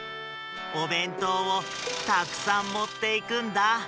おべんとうをたくさんもっていくんだ。